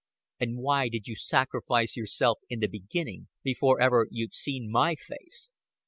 "And why did you sacrifice yourself in the beginning, before ever you'd seen my face?"